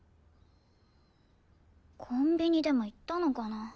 コンビニでも行ったのかな？